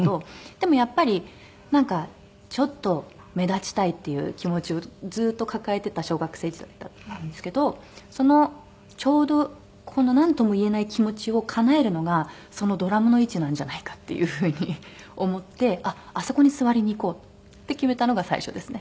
でもやっぱりなんかちょっと目立ちたいっていう気持ちをずっと抱えてた小学生時代だったんですけどちょうどこのなんともいえない気持ちをかなえるのがそのドラムの位置なんじゃないかっていう風に思ってあそこに座りにいこうって決めたのが最初ですね。